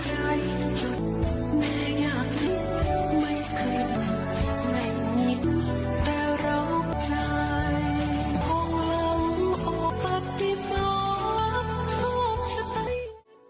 ไม่มีแต่รอบใจของเราขอปฏิบัติภาพทุกชัย